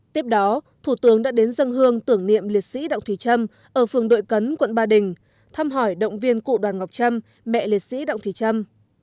tiếp đó thủ tướng đã đến dân hương tưởng niệm liệt sĩ đặng thùy trâm ở phường đội cấn quận ba đình thăm hỏi động viên cụ đoàn ngọc trâm mẹ liệt sĩ đặng thùy trâm